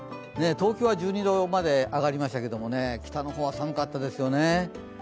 東京は１２度まで上がりましたけどね、北の方は寒かったですよね。